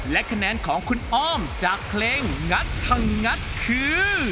และคะแนนของคุณอ้อมจากเพลงงัดทางงัดคือ